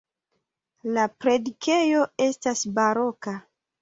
La predikejo estas baroka.